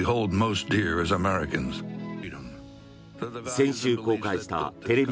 先週公開したテレビ